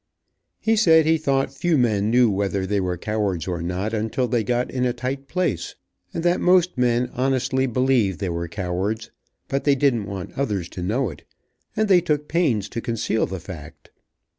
He said he thought few men knew whether they were cowards or not, until they got in a tight place, and that most men honestly believed they were cowards, but they didn't want others to know it, and they took pains to conceal the fact.